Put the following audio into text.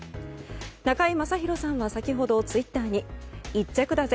中居正広さんは先ほど、ツイッターに１着だぜ。